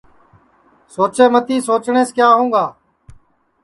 سوچے متی سوچٹؔیس کیا ہؤںگا